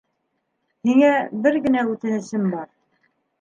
- Һиңә бер генә үтенесем бар.